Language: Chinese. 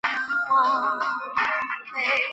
与其他沿海地区不同。